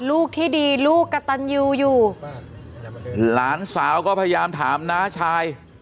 ลูกที่ดีลูกกระตันยูอยู่หลานสาวก็พยายามถามน้าชาย